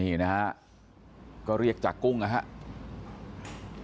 นี่นะฮะก็เรียกจากกุ้งนะครับ